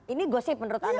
ini gosip menurut anda